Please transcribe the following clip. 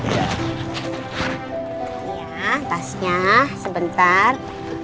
iya tasnya sebentar